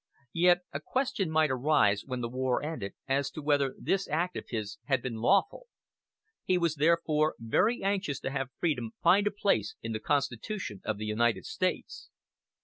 Yet a question might arise, when the war ended, as to whether this act of his had been lawful. He was therefore very anxious to have freedom find a place in the Constitution of the United States.